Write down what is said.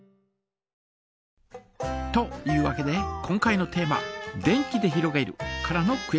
というわけで今回のテーマ「電気でひろげる」からのクエスチョン！